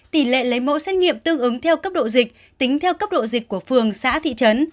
tỷ lệ lấy mẫu xét nghiệm tương ứng theo cấp độ dịch tính theo cấp độ dịch của phường xã thị trấn